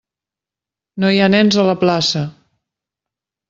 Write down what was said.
No hi ha nens a la plaça!